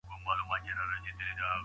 څوک د سړکونو د رغولو مسوول دی؟